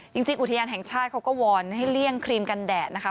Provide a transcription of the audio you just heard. อุทยานแห่งชาติเขาก็วอนให้เลี่ยงครีมกันแดดนะคะ